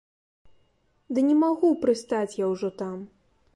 Ды не магу прыстаць я ўжо там.